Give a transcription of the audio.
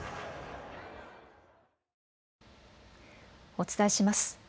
お伝えします。